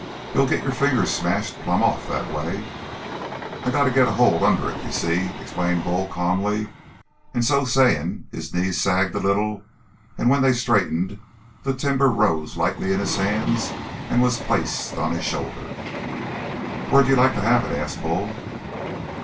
"You'll get your fingers smashed plumb off that way." "I have to get a hold under it, you see," explained Bull calmly, and so saying his knees sagged a little and when they straightened the timber rose lightly in his hands and was placed on his shoulder. "Where'd you like to have it?" asked Bull.